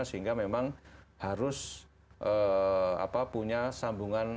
sehingga memang harus punya sambungan